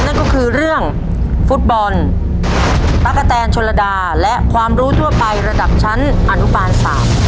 นั่นก็คือเรื่องฟุตบอลตะกะแตนชนระดาและความรู้ทั่วไประดับชั้นอนุบาล๓